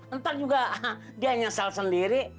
ntar juga dia nyesel sendiri